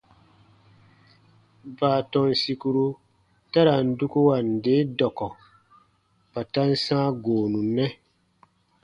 Baatɔn sìkuru ta ra n dukuwa nde dɔkɔ kpa ta n sãa goonu nɛ.